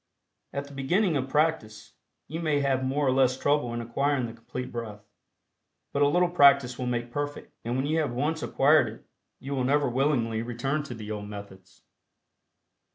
At the beginning of practice, you may have more or less trouble in acquiring the Complete Breath, but a little practice will make perfect, and when you have once acquired it you will never willingly return to the old methods.